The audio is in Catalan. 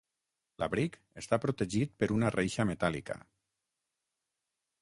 L'abric està protegit per una reixa metàl·lica.